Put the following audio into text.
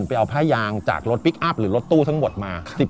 ไปเอาผ้ายางจากรถพลิกอัพหรือรถตู้ทั้งหมดมา